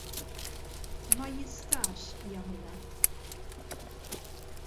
Ma jistax jagħmilha.